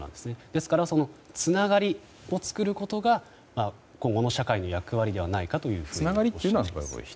ですから、つながりを作ることが今後の社会の役割ではないかとおっしゃっていました。